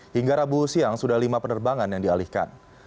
hingga rabu siang sudah lima penerbangan yang dialihkan